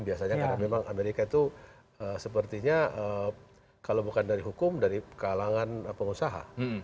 biasanya karena memang amerika itu sepertinya kalau bukan dari hukum dari kalangan pengusaha